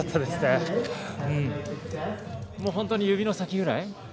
もう本当に指の先ぐらい？